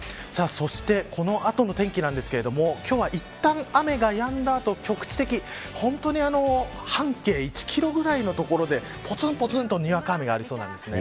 そして、このあとの天気ですが今日はいったん雨がやんだ後局地的、本当に半径１キロぐらいの所でぽつんぽつんとにわか雨がありそうです。